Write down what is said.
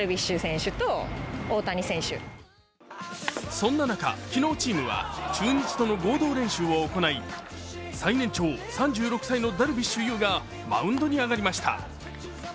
そんな中、昨日、チームは中日との合同練習を行い、最年長、３６歳のダルビッシュ有がマウンドに上がりました。